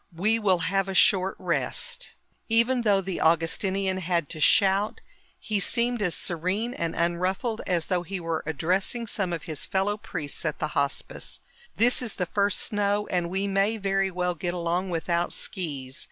"We will have a short rest." Even though the Augustinian had to shout, he seemed as serene and unruffled as though he were addressing some of his fellow priests at the Hospice. "This is the first snow and we may very well get along without skis.